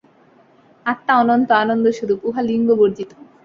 আত্মা অনন্ত আনন্দস্বরূপ, উহা লিঙ্গবর্জিত।